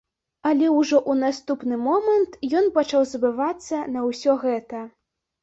Але ўжо ў наступны момант ён пачаў забывацца на ўсё гэта.